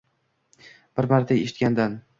Bir marta eshitgandan...